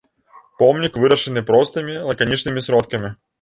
Помнік вырашаны простымі лаканічнымі сродкамі.